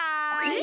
え！